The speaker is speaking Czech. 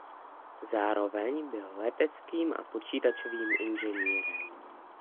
Zároveň byl leteckým a počítačovým inženýrem.